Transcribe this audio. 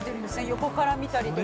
横から見たりとか。